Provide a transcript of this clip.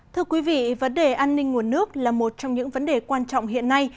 thưa quý vị vấn đề an ninh nguồn nước là một trong những vấn đề quan trọng hiện nay